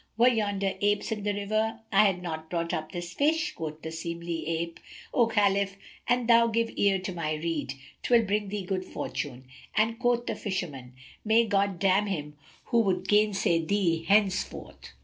Were yonder apes in the river, I had not brought up this fish." Quoth the seemly ape, "O Khalif, an thou give ear to my rede, 'twill bring thee good fortune"; and quoth the Fisherman, "May God damn him who would gainsay thee henceforth!"